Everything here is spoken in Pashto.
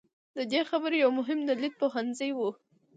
د دې خبرې یو مهم دلیل پوهنځي وو.